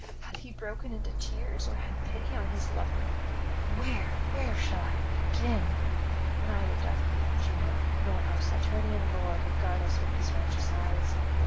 Hath he broken into tears, or had pity on his lover? Where, where shall I begin? Now neither doth Queen Juno nor our Saturnian lord regard us with righteous eyes.